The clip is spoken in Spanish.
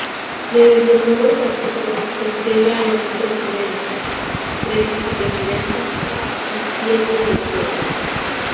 Mediante el nuevo estatuto se integra de un Presidente, tres Vicepresidentes y siete Directores.